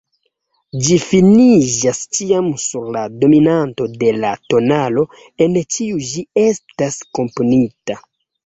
Ĝi finiĝas ĉiam sur la dominanto de la tonalo, en kiu ĝi estas komponita.